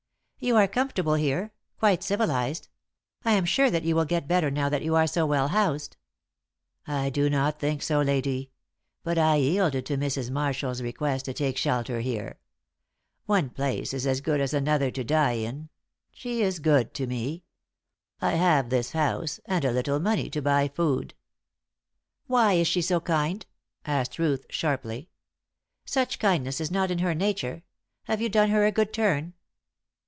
"You are comfortable here; quite civilised. I am sure that you will get better now that you are so well housed!" "I do not think so, lady. But I yielded to Mrs. Marshall's request to take shelter here. One place is as good as another to die in; she is good to me; I have this house and a little money to buy food." "Why is she so kind?" asked Ruth, sharply. "Such kindness is not in her nature. Have you done her a good turn?"